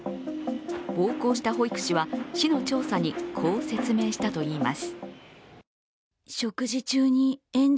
暴行した保育士は、市の調査にこう説明したといいます。